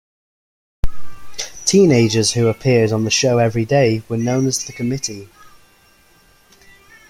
Teenagers who appeared on the show every day were known as the Committee.